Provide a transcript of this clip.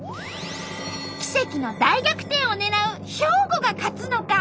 奇跡の大逆転を狙う兵庫が勝つのか！？